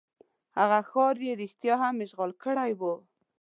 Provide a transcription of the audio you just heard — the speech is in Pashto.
هغه ښار یې رښتیا هم اشغال کړی وو.